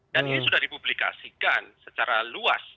dan ini sudah dipublikasikan secara luas